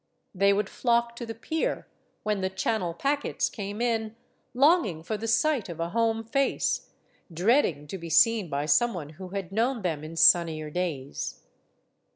They would flock to the pier, when the Channel packets came in, longing for the sight of a home face, dreading to be seen by some one who had known them in sunnier days.